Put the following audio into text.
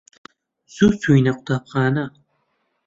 زوو چووینە قوتابخانە.